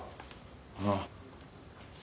ああ。